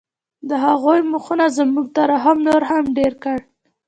د هغوی مخونو زموږ ترحم نور هم ډېر کړ